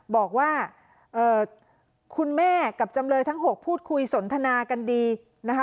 บอกว่าคุณแม่กับจำเลยทั้ง๖พูดคุยสนทนากันดีนะคะ